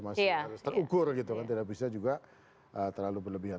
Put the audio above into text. masih harus terukur gitu kan tidak bisa juga terlalu berlebihan